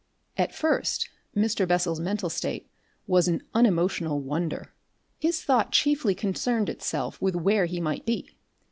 At first Mr. Bessel's mental state was an unemotional wonder. His thought chiefly concerned itself with where he might be.